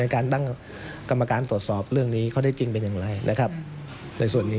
การตั้งกรรมการตรวจสอบเรื่องนี้เขาได้จริงเป็นอย่างไรนะครับในส่วนนี้